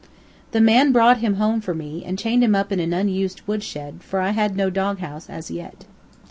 The man brought him home for me, and chained him up in an unused wood shed, for I had no doghouse as yet.